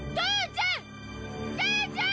父ちゃん！